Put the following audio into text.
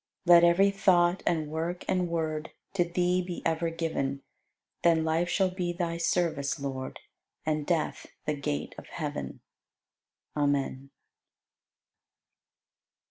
Let every thought and work and word To Thee be ever given; Then life shall be Thy service, Lord, And death the gate of heaven. Amen.